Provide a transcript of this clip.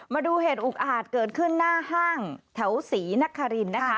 มาดูเหตุอุกอาจเกิดขึ้นหน้าห้างแถวศรีนครินนะคะ